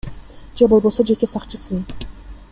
Же болбосо жеке сакчысын.